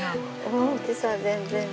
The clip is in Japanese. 大きさ全然違う。